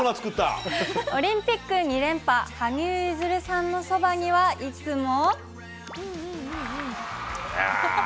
オリンピック２連覇、羽生結弦さんのそばには、いつも。